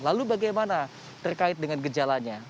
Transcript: lalu bagaimana terkait dengan gejalanya